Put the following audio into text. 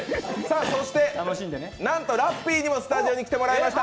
そして、なんとラッピーにもスタジオに来ていただきました。